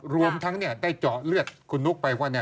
รวมทั้งได้เจาะเลือดคุณนุ๊กไปว่า